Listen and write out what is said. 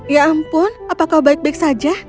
ya ampun apa kau baik baik saja